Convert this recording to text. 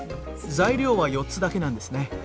材料は４つだけなんですね。